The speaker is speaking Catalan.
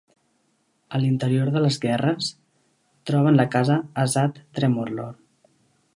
A l'interior de les guerres, troben la casa Azath Tremorlor.